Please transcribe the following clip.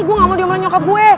gue gak mau diam diam nyokap gue